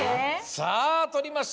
さぁ取りました。